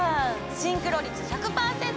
シンクロ率１００％！